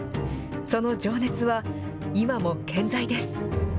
その情熱は今も健在です。